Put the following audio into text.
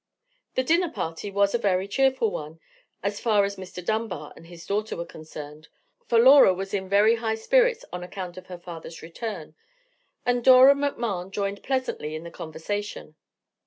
The dinner party was a very cheerful one, as far as Mr. Dunbar and his daughter were concerned: for Laura was in very high spirits on account of her father's return, and Dora Macmahon joined pleasantly in the conversation.